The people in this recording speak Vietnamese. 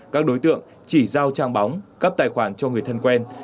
các đối tượng chỉ giao trang bóng cấp tài khoản cho người thân quen